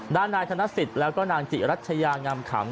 ด้านนายธนสิทธิ์แล้วก็นางจิรัชยางามขำ